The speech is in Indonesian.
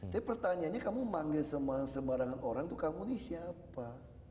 tapi pertanyaannya kamu manggil sembarangan orang tuh kamu ini siapa